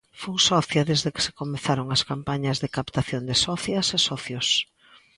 Fun socia desde que se comezaron as campañas de captación de socias e socios.